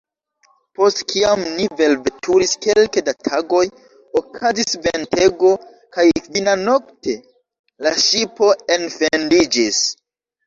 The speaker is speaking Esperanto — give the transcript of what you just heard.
Post kiam ni velveturis kelke da tagoj, okazis ventego, kaj kvinanokte la ŝipo enfendiĝis.